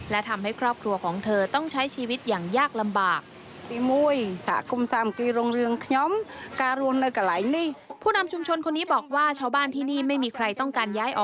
และทำให้ครอบครัวของเธอต้องใช้ชีวิตอย่างยากลำบาก